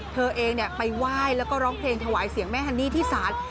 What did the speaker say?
เธอเองไปไหว้แล้วก็ร้องเพลงถวายเสียงแม่ฮันนี่ที่ศาล